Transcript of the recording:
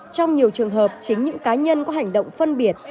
trong nhiều trường hợp chính những cá nhân có hành động phân biệt